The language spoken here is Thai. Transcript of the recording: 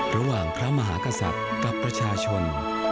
ระหว่างพระมหากษัตริย์กับประชาชน